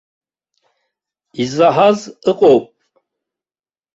Изаҳаз ыҟоуп.